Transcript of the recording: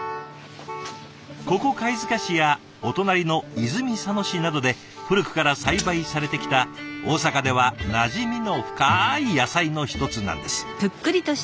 ここ貝塚市やお隣の泉佐野市などで古くから栽培されてきた大阪ではなじみの深い野菜の一つなんです。